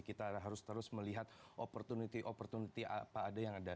kita harus terus melihat opportunity opportunity apa ada yang ada